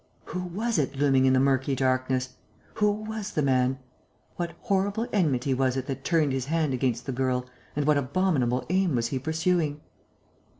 Who was it looming in the murky darkness? Who was the man? What horrible enmity was it that turned his hand against the girl and what abominable aim was he pursuing?